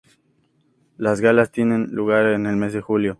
Las galas tienen lugar en el mes de julio.